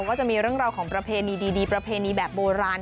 ก็จะมีเรื่องราวของประเพณีดีประเพณีแบบโบราณ